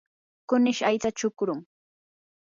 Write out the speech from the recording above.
kunish aycha chukrum.